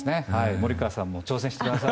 森川さんも挑戦してください。